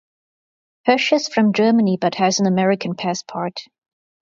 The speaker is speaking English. Hoesch is from Germany but has an American passport.